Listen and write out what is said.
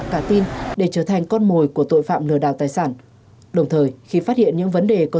lên để trở thành con mồi của tội phạm lừa đào tài sản đồng thời khi phát hiện những vấn đề có